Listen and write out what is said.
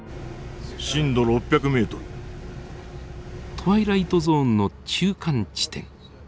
トワイライトゾーンの中間地点。